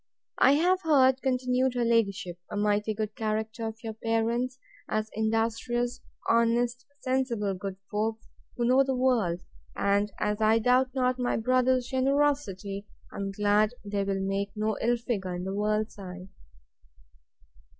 I have heard, continued her ladyship, a mighty good character of your parents, as industrious, honest, sensible, good folks, who know the world; and, as I doubt not my brother's generosity, I am glad they will make no ill figure in the world's eye.